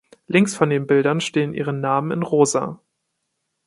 Links von den Bildern stehen ihre Namen in Rosa.